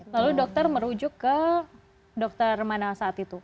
lalu dokter merujuk ke dokter mana saat itu